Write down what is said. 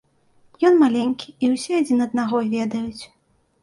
Ён маленькі, і ўсе адзін аднаго ведаюць.